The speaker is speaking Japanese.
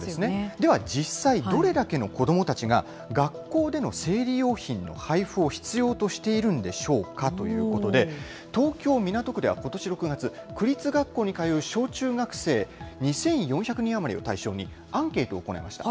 では実際、どれだけの子どもたちが、学校での生理用品の配布を必要としているんでしょうかということで、東京・港区ではことし６月、区立学校に通う小中学生２４００人余りを対象にアンケートを行いました。